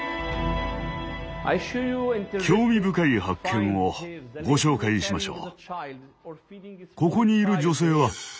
興味深い発見をご紹介しましょう。